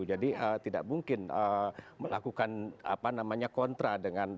jadi tidak mungkin melakukan kontra dengan lainnya